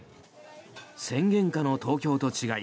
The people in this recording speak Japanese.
宣言下の東京と違い